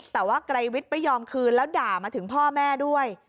แต่ว่าไกรวิทย์ไม่ยอมคืนแล้วด่ามาถึงพ่อแม่ด้วย